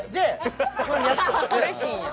うれしいんや。